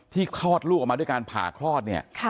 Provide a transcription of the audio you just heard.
คลอดลูกออกมาด้วยการผ่าคลอดเนี่ย